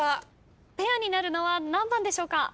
ペアになるのは何番でしょうか？